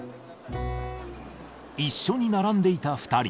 一緒に並んでいた２人。